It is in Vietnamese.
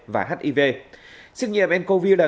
và hiv xét nghiệm ncov